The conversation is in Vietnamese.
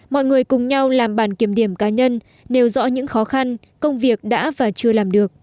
mọi người cùng nhau làm bàn kiểm điểm cá nhân nêu rõ những khó khăn công việc đã và chưa làm được